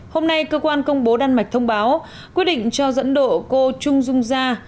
hôm nay cơ quan công bố đan mạch thông báo quyết định cho dẫn độ cô chung dung ja